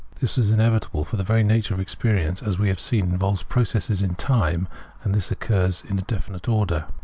This was inevitable, for the very nature of experience, as we have seen, involves process in time, and this occurs in a definite oi'der.